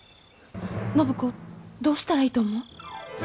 暢子どうしたらいいと思う？